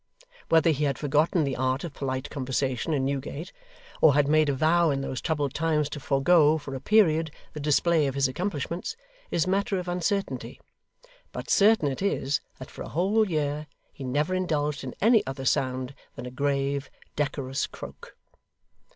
Whether he had forgotten the art of Polite Conversation in Newgate, or had made a vow in those troubled times to forego, for a period, the display of his accomplishments, is matter of uncertainty; but certain it is that for a whole year he never indulged in any other sound than a grave, decorous croak.